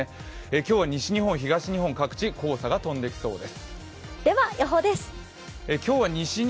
今日は西日本、東日本各地黄砂が飛んできそうです。